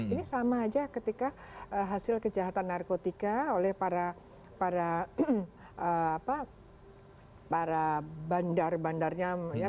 ini sama aja ketika hasil kejahatan narkotika oleh para bandar bandarnya